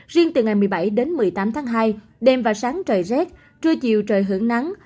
riêng từ ngày một mươi bảy đến một mươi tám tháng hai đêm và sáng trời rét trưa chiều trời hưởng nắng